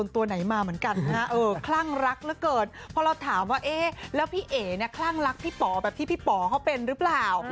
พอเราถามว่าเอ๊แล้วพี่เอ๋คลั่งรักพี่ป๋อแบบที่พี่ป๋อเขาเป็นหรือเปล่า